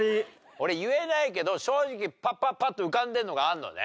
俺言えないけど正直パッパッパッと浮かんでるのがあるのね。